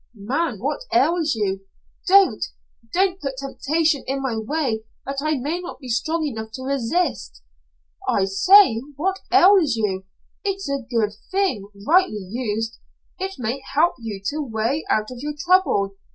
"Man, what ails you?" "Don't. Don't put temptation in my way that I may not be strong enough to resist." "I say, what ails you? It's a good thing, rightly used. It may help you to a way out of your trouble.